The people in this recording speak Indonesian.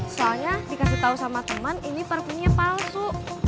soalnya dikasih tau sama teman ini parfumnya palsu